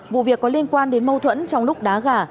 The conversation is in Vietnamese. vụ việc có liên quan đến mâu thuẫn trong lúc đá gà